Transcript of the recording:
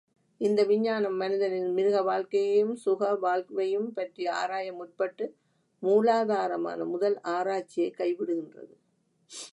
இந்த விஞ்ஞானம் மனிதனின் மிருக வாழ்கையையும், சுக வாழ்வையும் பற்றி ஆராய முற்பட்டு, மூலாதாரமான முதல் ஆராய்ச்சியைக் கைவிடுகின்றது.